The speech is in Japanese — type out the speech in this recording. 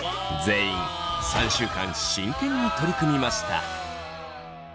全員３週間真剣に取り組みました。